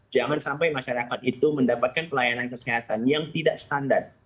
jangan sampai masyarakat itu mendapatkan pelayanan kesehatan yang tidak standar